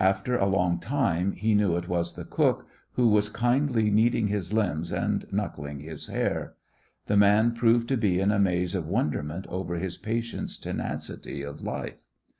After a long time he knew it was the cook, who was kindly kneading his limbs and knuckling his hair. The man proved to be in a maze of wonderment over his patient's tenacity of life.